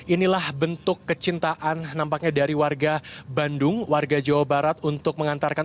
inilah bentuk kecintaan nampaknya dari warga bandung warga jawa barat untuk mengantarkan